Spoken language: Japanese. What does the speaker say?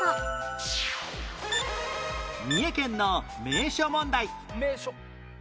三重県の名所問題名所。